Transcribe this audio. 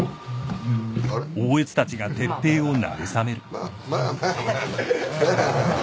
まあまあまあまあまあ。